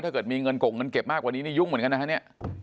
ถ้าเกิดมีเงินกงเงินเก็บมากกว่านี้นี่ยุ่งเหมือนกันนะฮะเนี่ย